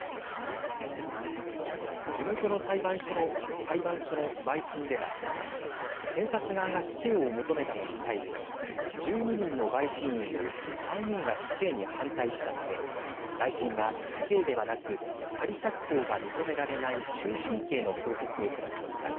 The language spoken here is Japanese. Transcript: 地元の裁判所の陪審では検察側が死刑を求めたのに対し１２人の陪審員のうち３人が死刑に反対したため陪審は死刑ではなく仮釈放が認められない終身刑の評決を下しました。